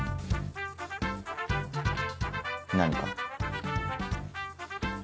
何か？